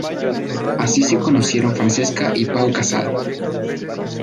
Así se conocieron Francesca y Pau Casals.